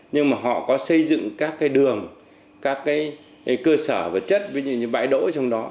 nhưng mà họ có xây dựng các cái đường các cái cơ sở vật chất với những bãi đỗ trong đó